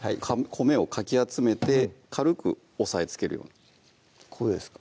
米をかき集めて軽く押さえつけるようにこうですか？